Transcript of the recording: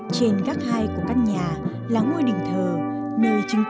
trên gác hai của căn nhà là ngôi đình thờ nơi chứng kiến những sự kiện lớn của nghề rèn